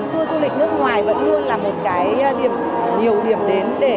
tour du lịch nước ngoài vẫn luôn là một cái nhiều điểm đến